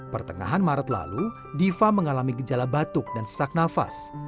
pertengahan maret lalu diva mengalami gejala batuk dan sesak nafas